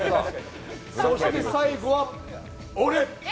そして最後は俺！